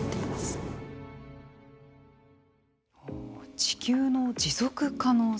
地球の持続可能性